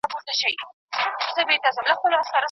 موږ درس ته پر وخت راځو.